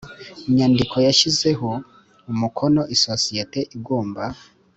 Nyandiko yashyizeho umukono isosiyete igomba